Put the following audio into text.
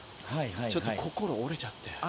ちょっと心折れちゃって。